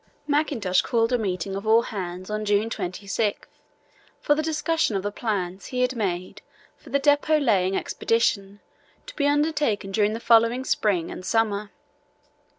Mackintosh called a meeting of all hands on June 26 for the discussion of the plans he had made for the depot laying expedition to be undertaken during the following spring and summer.